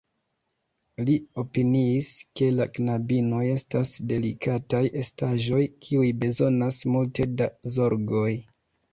Li opiniis, ke la knabinoj estas delikataj estaĵoj, kiuj bezonas multe da zorgoj.